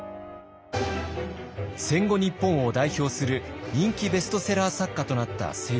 戦後日本を代表する人気ベストセラー作家となった清張。